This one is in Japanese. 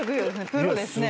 プロですね。